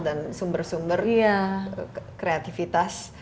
dan sumber sumber kreativitas